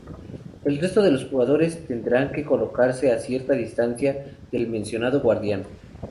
El resto de los jugadores tendrán que colocarse a cierta distancia del mencionado guardián.